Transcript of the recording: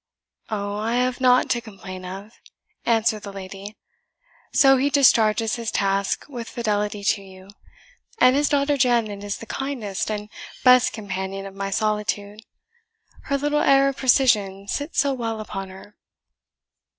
"Oh, I have nought to complain of," answered the lady, "so he discharges his task with fidelity to you; and his daughter Janet is the kindest and best companion of my solitude her little air of precision sits so well upon her!"